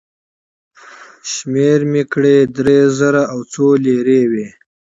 شمېر مې کړې، درې زره او څو لېرې وې.